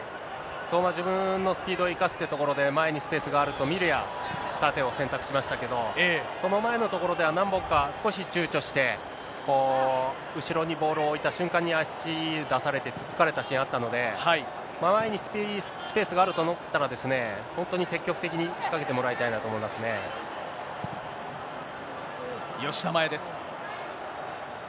相馬、自分のスピードを生かすというところで、前にスペースがあると見るや、縦を選択しましたけど、その前のところでは何本か少しちゅうちょして、後ろにボールを置いた瞬間に足出されて、突っつかれたシーンあったので、前にスペースがあると思ったら、本当に積極的に仕掛けてもらいた吉田麻也です。